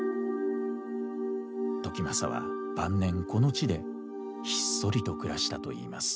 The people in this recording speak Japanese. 時政は晩年この地でひっそりと暮らしたといいます。